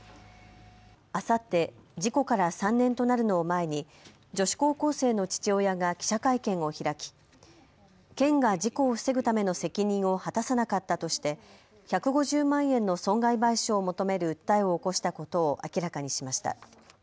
あさって事故から３年となるのを前に女子高校生の父親が記者会見を開き県が事故を防ぐための責任を果たさなかったとして１５０万円の損害賠償を求める訴えを起こしたことを明らかにしました。